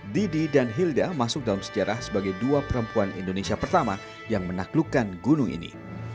didi dan hilda masuk dalam sejarah sebagai dua perempuan indonesia pertama yang menaklukkan gunung ini